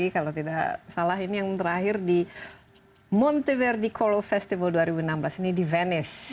kalau tidak salah ini yang terakhir di monteverdi choral festival dua ribu enam belas ini di venice